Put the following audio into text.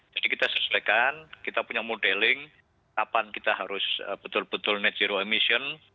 jadi kita sesuaikan kita punya modeling kapan kita harus betul betul net zero emission